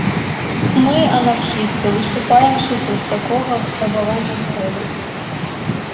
Мы, анархісты, выступаем супраць такога рабавання народа.